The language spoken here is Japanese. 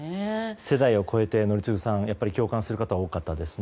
世代を超えて宜嗣さん、共感する方が多かったですね。